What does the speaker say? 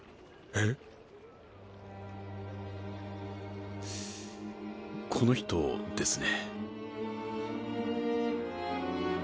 すぅこの人ですね。